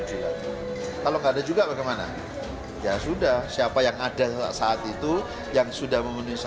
jangan tanggap yang sudah